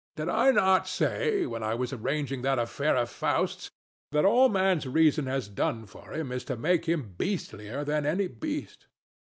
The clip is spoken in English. Did I not say, when I was arranging that affair of Faust's, that all Man's reason has done for him is to make him beastlier than any beast.